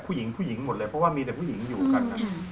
ผู้หญิงผู้หญิงหมดเลยเพราะว่ามีแต่ผู้หญิงอยู่กัน